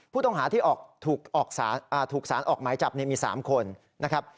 ผู้ต้องหาที่ถูกสารออกหมายจับมี๓คนนะครับ